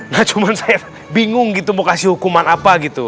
gak cuma saya bingung gitu mau kasih hukuman apa gitu